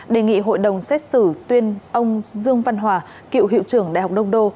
đề nghị hội đồng xét xử tuyên ông dương văn hòa cựu hiệu trưởng đại học đông đô